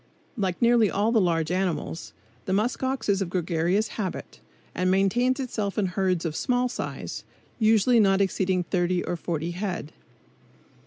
Like nearly all the large land animals, the musk ox is of gregarious habit, and maintains itself in herds of small size, usually not exceeding thirty or forty head.